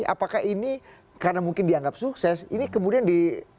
apakah ini karena mungkin dianggap sukses ini kemudian di